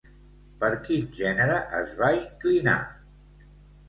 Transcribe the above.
Per quin gènere es va inclinar?